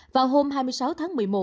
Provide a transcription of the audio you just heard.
vào hôm hai mươi sáu tháng một mươi một